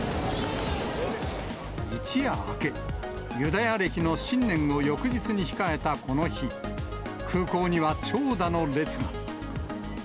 一夜明け、ユダヤ暦の新年を翌日に控えたこの日、空港には長蛇の列が。